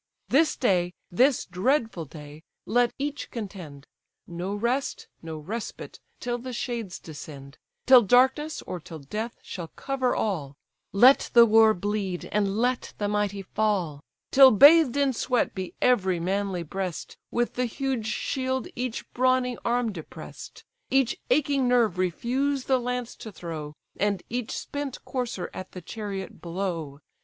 This day, this dreadful day, let each contend; No rest, no respite, till the shades descend; Till darkness, or till death, shall cover all: Let the war bleed, and let the mighty fall; Till bathed in sweat be every manly breast, With the huge shield each brawny arm depress'd, Each aching nerve refuse the lance to throw, And each spent courser at the chariot blow.